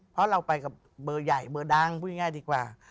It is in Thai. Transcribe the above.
เพราะเราไปกับเบอร์ใหญ่เบอร์ดังพูดง่ายดีกว่า